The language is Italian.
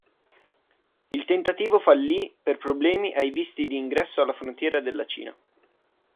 Il tentativo falli per problemi ai visti di ingresso alla frontiera della Cina.